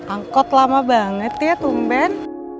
angkot lama banget ya tumben